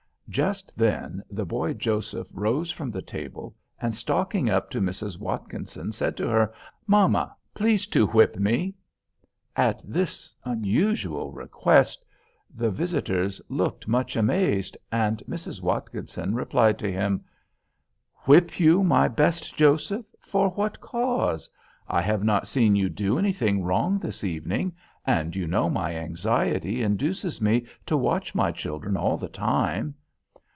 Just then the boy Joseph rose from the table, and stalking up to Mrs. Watkinson, said to her, "Mamma, please to whip me." At this unusual request the visitors looked much amazed, and Mrs. Watkinson replied to him, "Whip you, my best Joseph—for what cause? I have not seen you do anything wrong this evening, and you know my anxiety induces me to watch my children all the time."